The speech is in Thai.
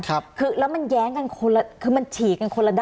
แล้วมันแย้งกันคนละมันฉีกกันคนละได้